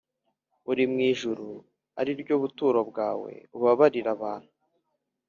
Uri mu ijuru ari ryo buturo bwawe ubabarire abantu